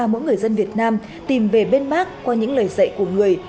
mỗi người dân việt nam tìm về bên bác qua những lời dạy của người